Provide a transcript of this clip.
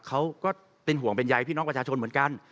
ก็เป็นห่วงเป็นใยพี่น้องประชาชนเหมือนกัน